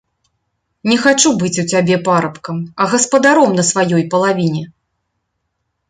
Не хачу быць у цябе парабкам, а гаспадаром на сваёй палавіне.